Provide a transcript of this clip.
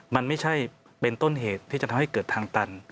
มันไม่ใช่เป็นต้นเหตุที่จะทำให้เกิดทางตัน